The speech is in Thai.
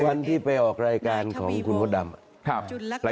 วันที่ไปออกรายการของคุณมดดำ